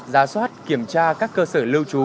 giá soát kiểm tra các cơ sở lưu trú